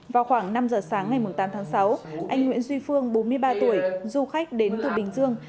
vào khoảng năm giờ sáng ngày tám tháng sáu anh nguyễn duy phương bốn mươi ba tuổi du khách đến từ bình dương